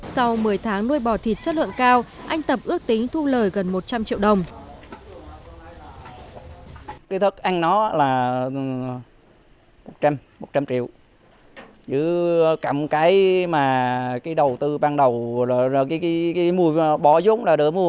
sau một mươi tháng nuôi bò thịt chất lượng cao anh tập ước tính thu lời gần một trăm linh triệu đồng